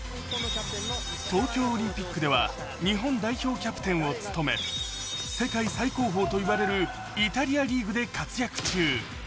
東京オリンピックでは日本代表キャプテンを務め世界最高峰と言われるイタリアリーグで活躍中。